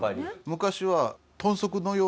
昔は。